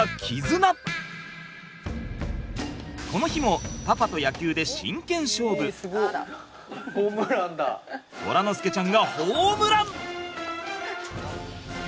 この日もパパと野球で虎之介ちゃんがホームラン！